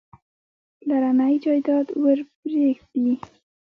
پلرنی جایداد ورپرېږدي.